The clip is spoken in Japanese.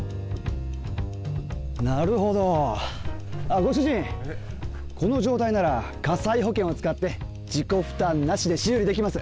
なるほど、あっ、ご主人、この状態なら火災保険を使って、自己負担なしで修理できます。